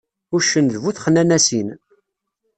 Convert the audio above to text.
Uccen d bu texnanasin.